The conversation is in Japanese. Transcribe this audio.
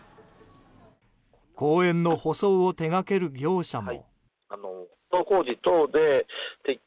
公園の舗装を手掛ける業者も。